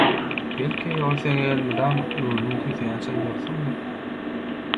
Belki, ol seň elmydam göwnüň küýseýän çyn dostuňdyr?